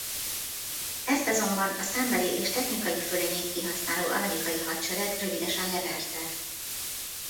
Ezt azonban a számbeli és technikai fölényét kihasználó amerikai hadsereg rövidesen leverte.